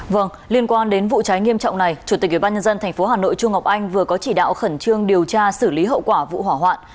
vâng liên quan đến vụ cháy nghiêm trọng này chủ tịch ubnd tp hà nội trung ngọc anh vừa có chỉ đạo khẩn trương điều tra xử lý hậu quả vụ hỏa hoạn